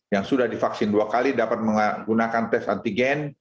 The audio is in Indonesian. yang sudah divaksin dua kali dapat menggunakan tes antigen